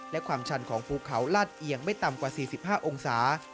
และความชันของภูเขาลาดเอียงไม่ต่ำกว่า๔๕องศา